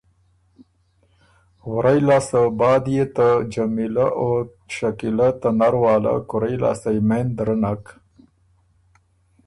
ورئ لاسته بعد يې ته جمیلۀ او شکیلۀ ته نر واله کورئ لاسته یمېند درنک